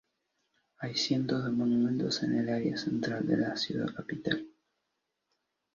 Hay cientos de monumentos en el área central de la ciudad capital.